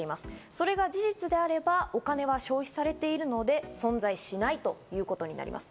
それが事実であれば、お金が消費されているので存在しないということになります。